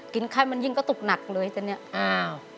ไข้มันยิ่งกระตุกหนักเลยแต่เนี่ยอ้าว